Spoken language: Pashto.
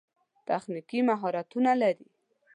تخنیکي مهارتونه لري.